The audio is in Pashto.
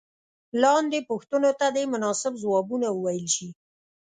لاندې پوښتنو ته دې مناسب ځوابونه وویل شي.